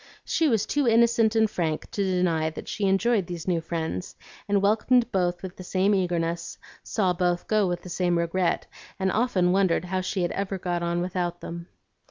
She was too innocent and frank to deny that she enjoyed these new friends, and welcomed both with the same eagerness, saw both go with the same regret, and often wondered how she ever had got on without them.